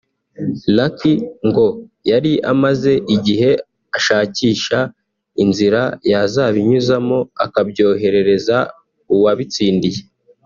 Lucky ngo yari amaze igihe ashakisha inzira yazabinyuzamo akabyoherereza uwabitsindiye